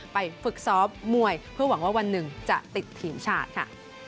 ฝึกซ้อมมวยเพื่อหวังว่าวันหนึ่งจะติดทีมชาติค่ะ